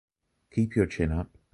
Keep your chin up.